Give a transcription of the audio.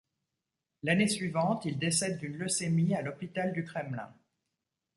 L'année suivante, il décède d'une leucémie à l'hôpital du Kremlin.